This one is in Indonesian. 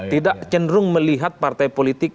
tidak cenderung melihat partai politik